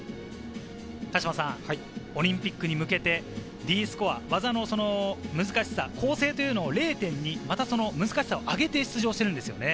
オリンピックに向けてＤスコア、技の難しさ、構成というのを０．２、難しさを上げて出場してるんですよね。